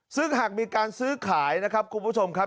ซึ่งหากมีการซื้อขายนะครับคุณผู้ชมครับ